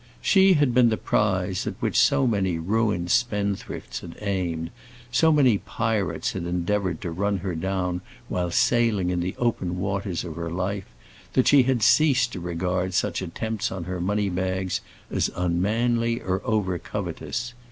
She had been the prize at which so many ruined spendthrifts had aimed; so many pirates had endeavoured to run her down while sailing in the open waters of life, that she had ceased to regard such attempts on her money bags as unmanly or over covetous.